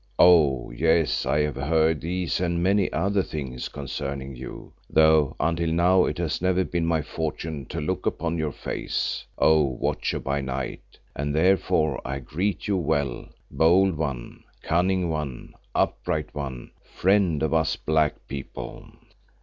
Oh! yes, I have heard these and many other things concerning you, though until now it has never been my fortune to look upon your face, O Watcher by Night, and therefore I greet you well, Bold one, Cunning one, Upright one, Friend of us Black People."